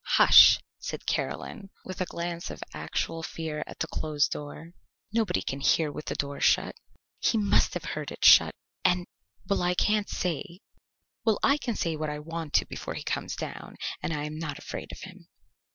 "Hush!" said Caroline, with a glance of actual fear at the closed door. "Nobody can hear with the door shut." "He must have heard it shut, and " "Well, I can say what I want to before he comes down, and I am not afraid of him."